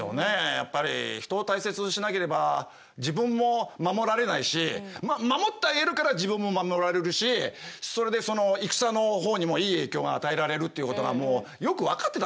やっぱり人を大切にしなければ自分も守られないし守ってあげるから自分も守られるしそれでその戦の方にもいい影響が与えられるっていうことがもうよく分かってたんじゃないですか。